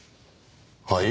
はい？